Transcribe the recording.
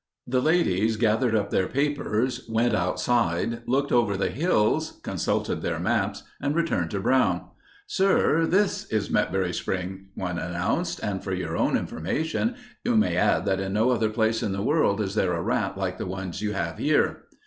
The ladies gathered up their papers, went outside, looked over the hills, consulted their maps, and returned to Brown. "Sir, this is Metbury Spring," one announced, "and for your own information we may add that in no other place in the world is there a rat like the one you have here."